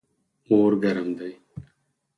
اور ګرم دی.